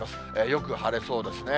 よく晴れそうですね。